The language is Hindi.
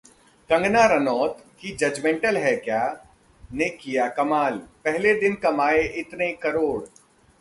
कंगना रनौत की जजमेंटल है क्या ने किया कमाल, पहले दिन कमाए इतने करोड़